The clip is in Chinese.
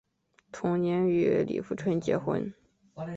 同年与李富春结婚。